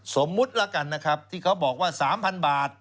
สมมุติแล้วกันนะครับที่เขาบอกว่า๓๐๐๐บาท